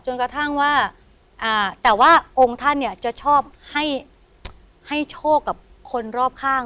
กระทั่งว่าแต่ว่าองค์ท่านเนี่ยจะชอบให้โชคกับคนรอบข้าง